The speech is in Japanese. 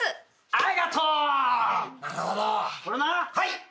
はい。